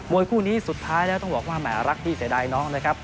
วยคู่นี้สุดท้ายแล้วต้องบอกว่าแหมรักพี่เสียดายน้องนะครับ